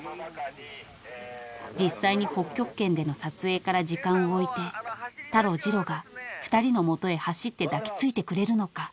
［実際に北極圏での撮影から時間を置いてタロジロが２人の元へ走って抱き付いてくれるのか？］